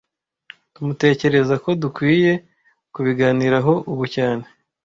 Tmutekereza ko dukwiye kubiganiraho ubu cyane